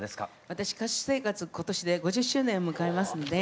私歌手生活今年で５０周年を迎えますので。